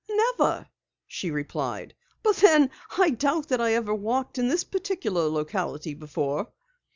"Never," she replied, "but then I doubt that I ever walked in this particular locality before."